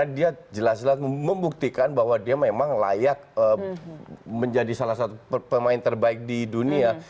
jadi itu juga jelas jelas membuktikan bahwa dia memang layak menjadi salah satu pemain terbaik di dunia